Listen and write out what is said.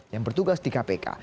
yang bertugas di kpk